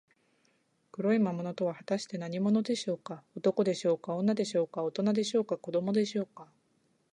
黒い魔物とは、はたして何者でしょうか。男でしょうか、女でしょうか、おとなでしょうか、子どもでしょうか。